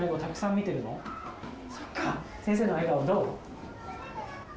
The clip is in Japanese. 先生の笑顔どう？